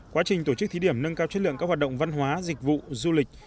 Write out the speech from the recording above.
quá trình tổ chức thí điểm nâng cao chất lượng các hoạt động văn hóa dịch vụ du lịch